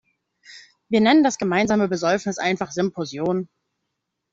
Wir nennen das gemeinsame Besäufnis einfach Symposion.